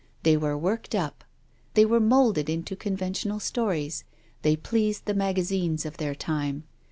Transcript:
They were worked up. They were moulded into conventional stories. They pleased the magazines of their time.